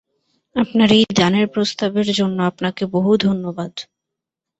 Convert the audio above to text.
আপনার এই দানের প্রস্তাবের জন্য আপনাকে বহু ধন্যবাদ।